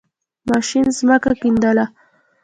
ماشین زَمکه کیندله.